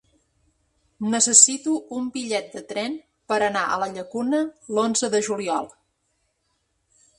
Necessito un bitllet de tren per anar a la Llacuna l'onze de juliol.